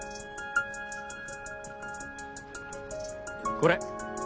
これ。